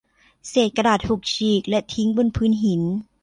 เศษกระดาษถูกฉีกและทิ้งบนพื้นหิน